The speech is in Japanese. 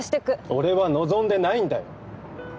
俺は望んでないんだよ。